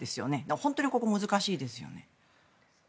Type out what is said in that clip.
本当に難しいですよね。